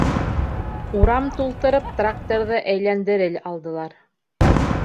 Урам тултырып тракторҙы әйләндерел алдылар.